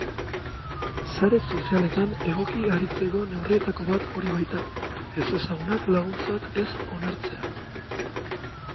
Sare sozialetan egoki aritzeko neurrietako bat hori baita, ezezagunak laguntzat ez onartzea.